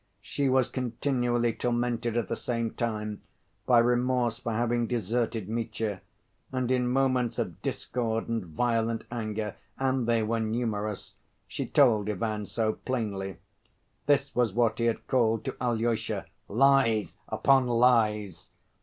She was continually tormented at the same time by remorse for having deserted Mitya, and in moments of discord and violent anger (and they were numerous) she told Ivan so plainly. This was what he had called to Alyosha "lies upon lies."